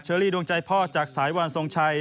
อรี่ดวงใจพ่อจากสายวานทรงชัย